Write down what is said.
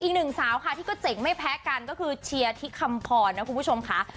อีกหนึ่งสาวค่ะที่ก็เจ๋งไม่แพ้กันก็คือเชียร์ที่คำพรนะคุณผู้ชมค่ะ